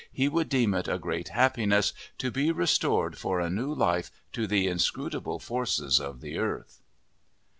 he would deem it a great happiness to be restored for a new life to the inscrutable forces of the earth!